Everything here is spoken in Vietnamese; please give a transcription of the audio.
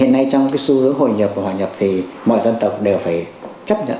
hiện nay trong cái xu hướng hội nhập và hòa nhập thì mọi dân tộc đều phải chấp nhận